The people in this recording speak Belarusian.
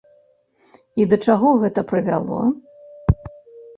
І да чаго гэта прывяло?